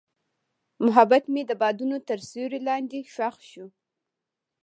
محبت مې د بادونو تر سیوري لاندې ښخ شو.